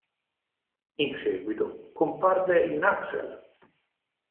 In seguito comparve in "Axel!